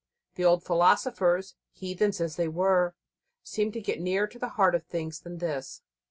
The old philosophers, heathens as they were, seemed to get nearer to the heart of things than this.